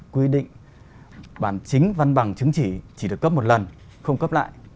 quy định bản chính văn bằng chứng chỉ chỉ được cấp một lần không cấp lại